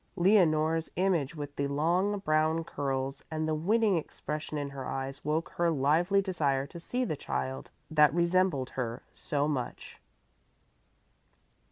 Leonore's image with the long, brown curls and the winning expression in her eyes woke her lively desire to see the child that resembled her so much.